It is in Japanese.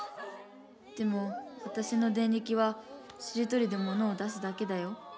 でもわたしのデンリキはしりとりでものを出すだけだよ？